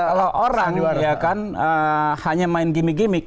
kalau orang ya kan hanya main gimmick gimmick